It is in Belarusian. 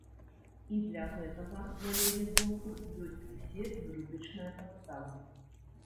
І для гэтага, на яе думку, ёсць усе юрыдычныя падставы.